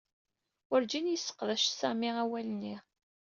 Werǧin yesseqdec Sami awal-nni.